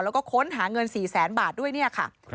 แล้วก็ค้นหาเงิน๔แสนบาทด้วยเนี่ยค่ะ